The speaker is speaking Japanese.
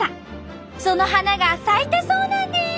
その花が咲いたそうなんです！